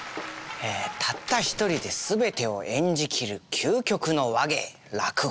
えたった一人で全てを演じ切る究極の話芸落語。